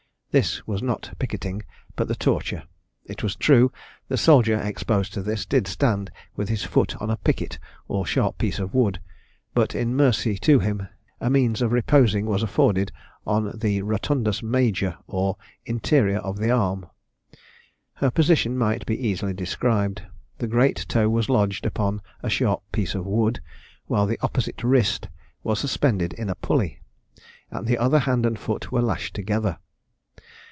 This was not picketing, but the torture. It was true, the soldier, exposed to this, did stand with his foot on a picket, or sharp piece of wood; but, in mercy to him, a means of reposing was afforded, on the rotundus major, or interior of the arm. Her position might be easily described. The great toe was lodged upon a sharp piece of wood, while the opposite wrist was suspended in a pulley, and the other hand and foot were lashed together.